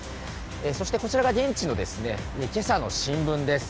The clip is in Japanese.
そしてこちらが現地のけさの新聞です。